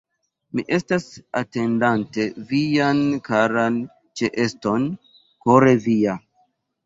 Mi estas, atendante vian karan ĉeeston, kore via.